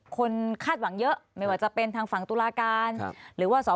คาดหวังเยอะไม่ว่าจะเป็นทางฝั่งตุลาการหรือว่าสอ